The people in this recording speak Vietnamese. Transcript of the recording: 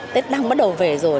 tết đang bắt đầu về rồi